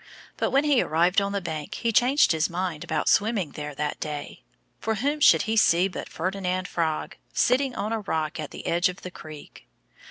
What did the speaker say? But when he arrived on the bank he changed his mind about swimming there that day. For whom should he see but Ferdinand Frog, sitting on a rock at the edge of the creek.